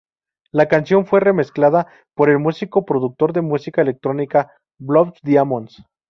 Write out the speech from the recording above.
La canción fue remezclada por el músico productor de música electrónica Blood Diamonds.